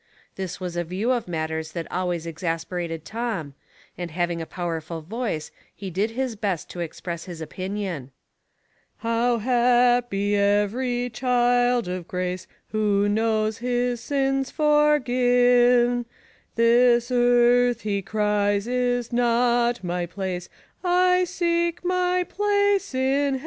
This was a view of matters that always exasperated Tom, and having a powerful voice he did his best to express his opinion. •' How happy every child of grace, Who knows his sins forgiven; This earth, he cries, is not my place, I seek my place ''i heaven."